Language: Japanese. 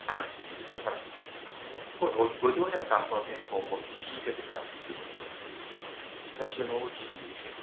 だからところが５０年間この憲法を持ち続けてきたということはそれは非常に大きいことですね。